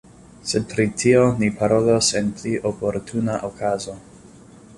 Sed pri tio ni parolos en pli oportuna okazo.